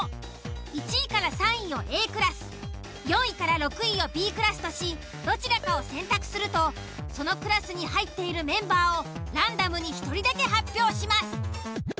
１位３位をＡクラス４位６位をＢクラスとしどちらかを選択するとそのクラスに入っているメンバーをランダムに１人だけ発表します。